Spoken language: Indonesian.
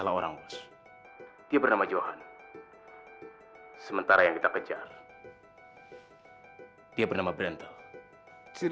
tahu kalau mereka mengangkat kita atau pilih salah ke